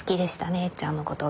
えっちゃんのことが。